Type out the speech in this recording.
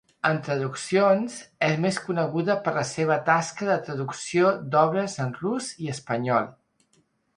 En traduccions és més coneguda per la seva tasca de traducció d'obres en rus i espanyol.